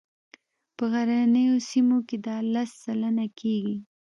په غرنیو سیمو کې دا لس سلنه کیږي